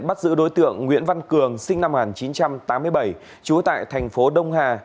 bắt giữ đối tượng nguyễn văn cường sinh năm một nghìn chín trăm tám mươi bảy trú tại thành phố đông hà